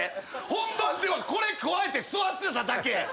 本番ではこれくわえて座ってただけ！